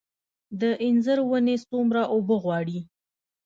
د انځر ونې څومره اوبه غواړي؟